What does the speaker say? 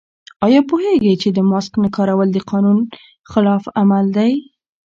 آیا پوهېږئ چې د ماسک نه کارول د قانون خلاف عمل دی؟